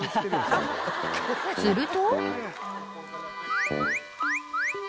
［すると］